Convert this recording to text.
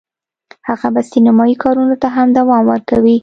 هغه به سینمایي کارونو ته هم دوام ورکوي